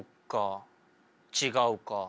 違うか。